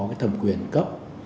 đang có cái thẩm quyền cấp